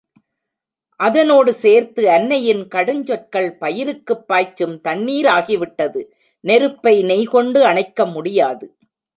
அதனோடு சேர்த்து அன்னையின் கடுஞ்சொற்கள் பயிருக்குப் பாய்ச்சும் தண்ணீர் ஆகிவிட்டது. நெருப்பை நெய்கொண்டு அணைக்க முடியாது.